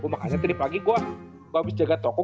makanya tadi pagi gue bagus jaga toko